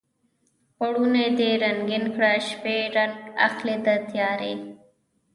پوړونی دې رنګین کړه شپې رنګ اخلي د تیارې